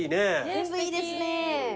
全部いいですね。